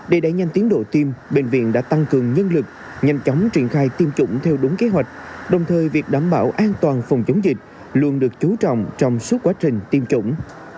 để đẩy nhanh tiến độ tiêm bệnh viện đã tăng cường nhân lực nhanh chóng triển khai tiêm chủng theo đúng kế hoạch đồng thời việc đảm bảo an toàn phòng chống dịch luôn được chú trọng trong suốt quá trình tiêm chủng